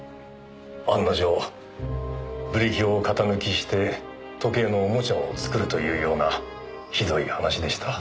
案の定ブリキを型抜きして時計のおもちゃを作るというようなひどい話でした。